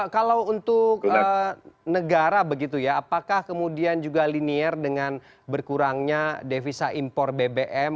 kalau untuk negara begitu ya apakah kemudian juga linier dengan berkurangnya devisa impor bbm